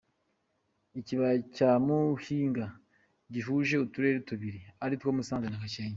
Ikibaya cya Mukinga gihuje Uturere tubiri, aritwo Musanze na Gakenke.